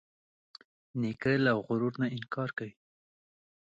نیکه له غرور نه انکار کوي.